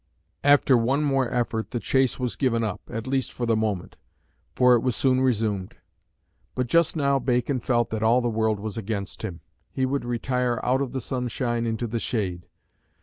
After one more effort the chase was given up, at least for the moment; for it was soon resumed. But just now Bacon felt that all the world was against him. He would retire "out of the sunshine into the shade."